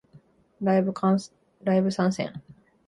ライブ参戦